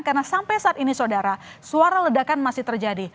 karena sampai saat ini saudara suara ledakan masih terjadi